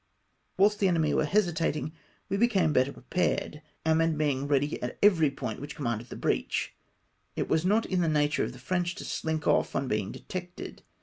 Wliilst the enemy were hesitating, we became better prepared, our men being ready at every point which commanded the breach. It was not in the nature of the French to slink off on being detected.